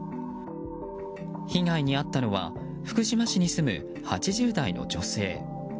被害に遭ったのは福島市に住む８０代の女性。